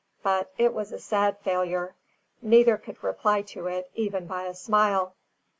But it was a sad failure. Neither could reply to it even by a smile.